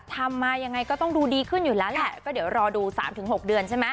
ทำมายังไงก็ต้องดูดีขึ้นอยู่แล้วแหละก็เดี๋ยวรอดูสามถึงหกเดือนใช่ไหม